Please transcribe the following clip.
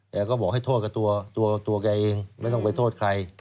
แกก็บอกให้โทษกับตัวแกเองไม่ต้องไปโทษใคร